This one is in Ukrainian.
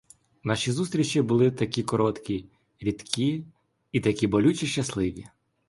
Наші зустрічі були такі короткі, рідкі і такі болюче щасливі.